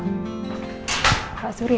mbak nalui hari ini